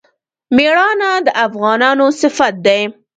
میړانه د افغانانو صفت دی.